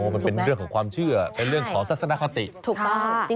มันเป็นเรื่องของความเชื่อเป็นเรื่องของทัศนคติถูกต้อง